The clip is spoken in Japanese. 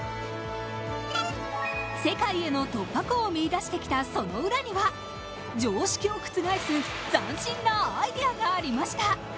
世界への突破口を見出してきたその裏には常識を覆す斬新なアイデアがありました。